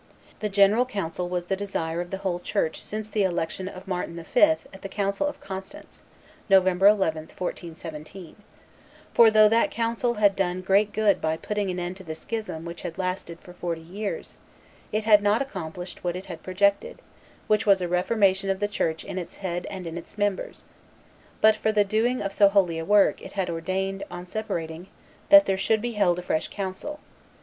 The general council was the desire of the whole church since the election of Martin V. at the council of Constance (November 11, 1417); for, though that council had done great good by putting an end to the schism which had lasted for forty years, it had not accomplished what it had projected, which was a reformation of the Church in its head and in its members; but, for the doing of so holy a work, it had ordained, on separating, that there should be held a fresh council.